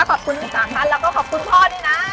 ขอบคุณอีก๓คันแล้วก็ขอบคุณพ่อดีนะ